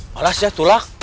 balas ya tulak